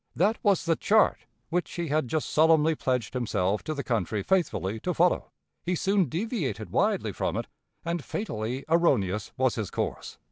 That was the chart which he had just solemnly pledged himself to the country faithfully to follow. He soon deviated widely from it and fatally erroneous was his course.